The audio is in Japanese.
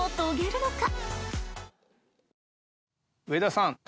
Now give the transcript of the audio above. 上田さん